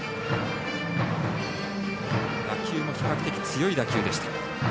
打球も比較的強い打球でした。